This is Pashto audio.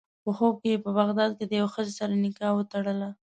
په خوب کې یې په بغداد کې له یوې ښځې سره نکاح وتړله.